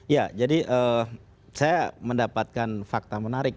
ya jadi saya mendapatkan fakta menarik